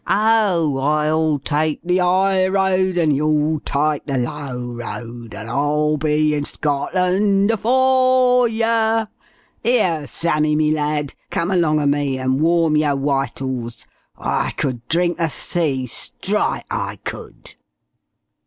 'Ow, I'll tyke the 'ighroad, and you'll tyke the laow road! and I'll be in Scotland afore yer'.... 'Ere, Sammie, me lad, come along o' me an' warm yer witals. I could drink the sea strite I could!"